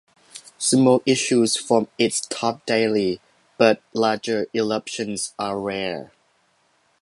Smoke issues from its top daily, but larger eruptions are rare.